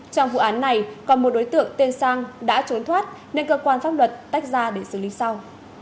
trong vụ án này còn một đối tượng tên sang đã trốn thoát nên cơ quan pháp luật tách ra để xử lý sau